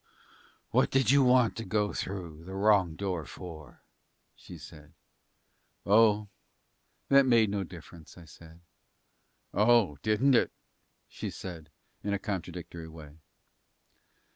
"What did you want to go through the wrong door for?" she said. "O, that made no difference," I said. "O, didn't it?" she said in a contradictory way.